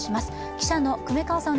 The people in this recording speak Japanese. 記者の粂川さん